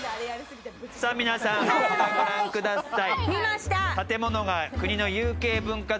さぁ皆さん、こちらご覧ください。